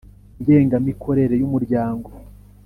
Ngengamikorere y umuryango